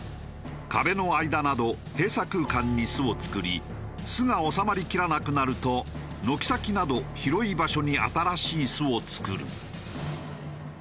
壁の間など閉鎖空間に巣を作り巣が収まりきらなくなると軒先など広い場所に新しい巣を作る。